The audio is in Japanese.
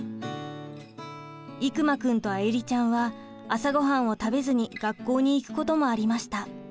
生麻君と歩里ちゃんは朝ごはんを食べずに学校に行くこともありました。